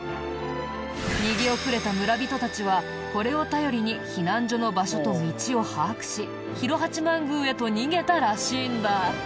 逃げ遅れた村人たちはこれを頼りに避難所の場所と道を把握し廣八幡宮へと逃げたらしいんだ。